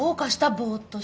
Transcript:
ぼっとして。